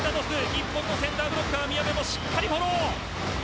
一方のセンターブロックカー宮部のしっかりフォロー。